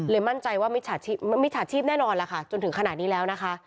มั่นใจว่ามิจฉาชีพแน่นอนล่ะค่ะจนถึงขนาดนี้แล้วนะคะ